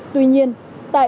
tuy nhiên tại các khu phòng thi